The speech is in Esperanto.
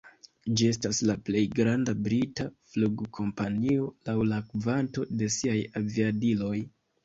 Ĝi estas la plej granda brita flugkompanio laŭ la kvanto de siaj aviadiloj.